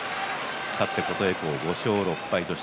勝って琴恵光は５勝６敗です。